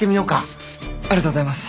ありがとうございます。